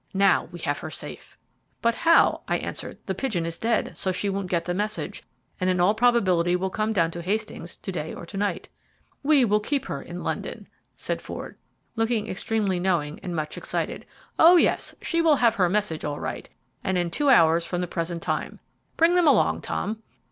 Now we have her safe." "But how?" I answered. "The pigeon is dead, so she won't get the message, and in all probability will come down to Hastings to day or to night." "We will keep her in London," said Ford, looking extremely knowing and much excited. "Oh yes, she will have her message all right, and in two hours from the present time. Bring them along, Tom."